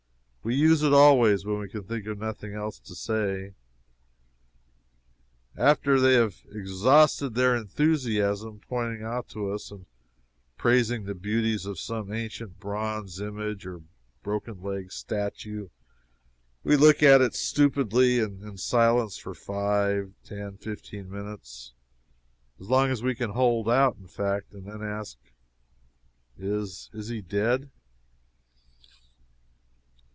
We use it always, when we can think of nothing else to say. After they have exhausted their enthusiasm pointing out to us and praising the beauties of some ancient bronze image or broken legged statue, we look at it stupidly and in silence for five, ten, fifteen minutes as long as we can hold out, in fact and then ask: "Is is he dead?"